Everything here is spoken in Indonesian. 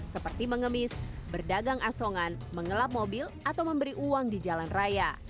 seperti mengemis berdagang asongan mengelap mobil atau memberi uang di jalan raya